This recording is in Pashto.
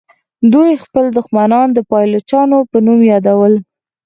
دوی خپل دښمنان د پایلوچانو په نوم یادول.